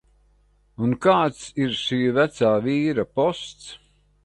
Un kāds ir šī vecā vīra posts?